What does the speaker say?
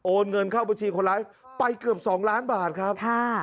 เงินเข้าบัญชีคนร้ายไปเกือบ๒ล้านบาทครับ